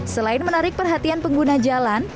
selain menarik perhatian pengguna jalan